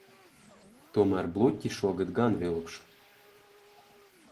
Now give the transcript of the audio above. Tomēr bluķi šogad gan vilkšu.